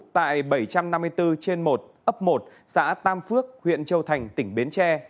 tại bảy trăm năm mươi bốn trên một ấp một xã tam phước huyện châu thành tỉnh bến tre